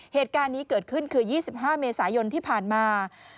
เหตุการณ์นี้เกิดขึ้นคือ๒๕เมษายนที่ผ่านมา